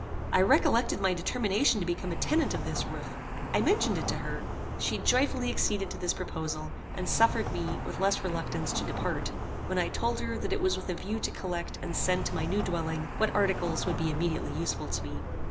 I recollected my determination to become a tenant of this roof. I mentioned it to her. She joyfully acceded to this proposal, and suffered me, with less reluctance, to depart, when I told her that it was with a view to collect and send to my new dwelling what articles would be immediately useful to me.